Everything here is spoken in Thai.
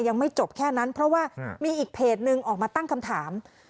ยังไม่จบแค่นั้นเพราะว่ามีอีกเพจนึงออกมาตั้งคำถาม